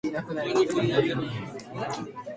学識を磨いて、世に役立つ人材になること。